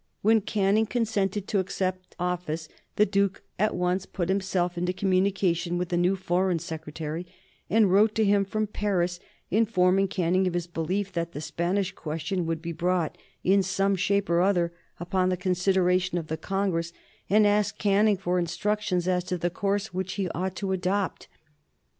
When Canning consented to accept office the Duke at once put himself into communication with the new Foreign Secretary, and wrote to him from Paris informing Canning of his belief that the Spanish question would be brought, in some shape or other, under the consideration of the Congress, and asking Canning for instructions as to the course which he ought to adopt.